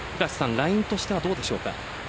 ラインとしてはどうでしょうか？